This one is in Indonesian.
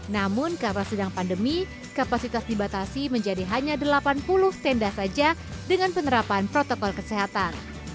namun karena sedang pandemi kapasitas dibatasi menjadi hanya delapan puluh tenda saja dengan penerapan protokol kesehatan